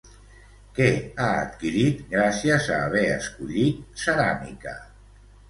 Què ha adquirit, gràcies a haver escollit ceràmica?